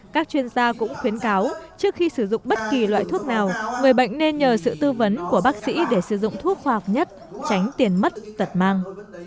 các chuyên gia cũng khuyến cáo trước khi sử dụng bất kỳ loại thuốc nào người bệnh nên nhờ sự tư vấn của bác sĩ để sử dụng thuốc khoa học nhất tránh tiền mất tật mang